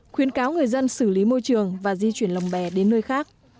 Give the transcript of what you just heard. khuyến cáo người dân xử lý môi trường và di chuyển lồng bè đến nơi khác